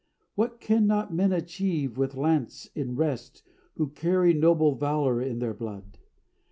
What cannot men achieve with lance in rest Who carry noble valour in their blood?